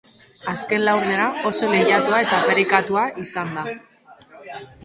Azken laurdena oso lehiatua eta parekatua izan da.